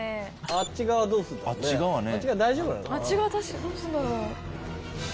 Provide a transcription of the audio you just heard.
あっち側どうするんだろう？